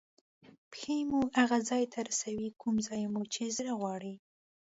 پښې مو هغه ځای ته رسوي کوم ځای مو چې زړه غواړي.